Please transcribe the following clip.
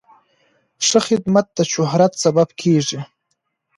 ښه خدمت د شهرت سبب کېږي.